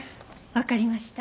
わかりました。